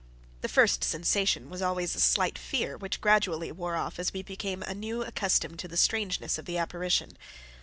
The first sensation was always a slight fear, which gradually wore off as we became anew accustomed to the strangeness of the apparition.